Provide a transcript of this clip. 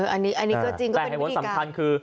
อันนี้ก็จริงก็เป็นวิธีการแต่ไหว้สำคัญคือ